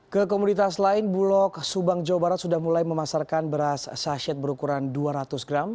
ke komunitas lain bulog subang jawa barat sudah mulai memasarkan beras saset berukuran dua ratus gram